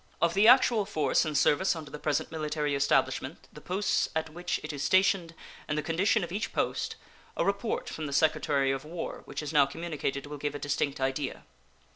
Of the actual force in service under the present military establishment, the posts at which it is stationed, and the condition of each post, a report from the Secretary of War which is now communicated will give a distinct idea.